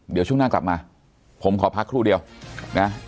เดี๋ยวช่วงหน้ากลับมาผมขอพักครู่เดียวนะ